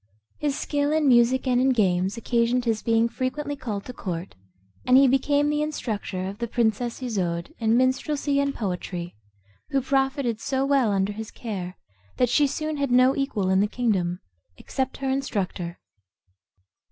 His skill in music and in games occasioned his being frequently called to court, and he became the instructor of the princess Isoude in minstrelsy and poetry, who profited so well under his care, that she soon had no equal in the kingdom, except her instructor.